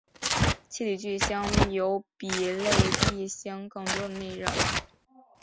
气体巨星有比类地行星更多的内热。